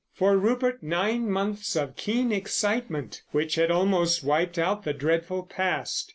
For Rupert, nine months of keen excitement, which had almost wiped out the dreadful past.